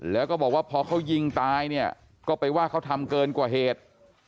แล้วก็บอกว่าพอเขายิงตายเนี่ยก็ไปว่าเขาทำเกินกว่าเหตุ